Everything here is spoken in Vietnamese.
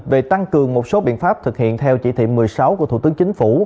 về tăng cường một số biện pháp thực hiện theo chỉ thị một mươi sáu của thủ tướng chính phủ